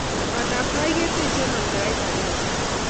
Pandaptai ke teche eng amtaet akenge